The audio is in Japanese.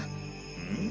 うん？